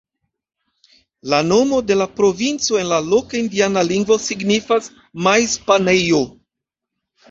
La nomo de la provinco en la loka indiana lingvo signifas "maiz-panejo".